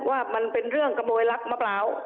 ว่ามันเป็นเรื่องขโมยลักมะพร้าว